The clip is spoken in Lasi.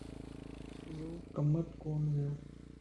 يو ڪم ات ڪون ويو